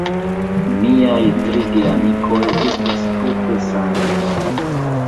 Miaj tri geamikoj estas tute sanaj.